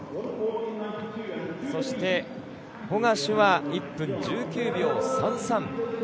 そして、ホガシュは１分１９秒３３。